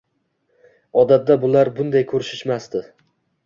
Odatda ular bunday ko`rishishmasdi